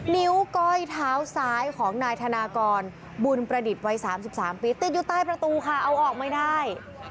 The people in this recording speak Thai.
นิ้วก้อยเท้าซ้ายของนายธนากรบุญประดิษฐ์วัย๓๓ปีติดอยู่ใต้ประตูค่ะเอาออกไม่ได้